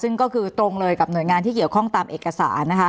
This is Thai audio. ซึ่งก็คือตรงเลยกับหน่วยงานที่เกี่ยวข้องตามเอกสารนะคะ